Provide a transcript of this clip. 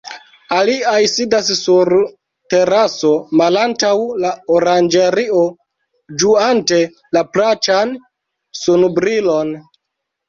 Aliaj sidas sur teraso malantaŭ la oranĝerio, ĝuante la plaĉan sunbrilon.